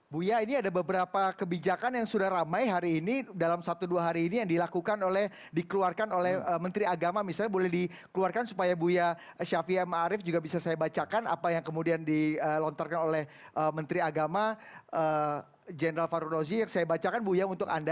buya ini ada beberapa kebijakan yang sudah ramai hari ini dalam satu dua hari ini yang dilakukan oleh dikeluarkan oleh menteri agama misalnya boleh dikeluarkan supaya buya syafie ⁇ maarif ⁇ juga bisa saya bacakan apa yang kemudian dilontarkan oleh menteri agama general farul rozi yang saya bacakan buya untuk anda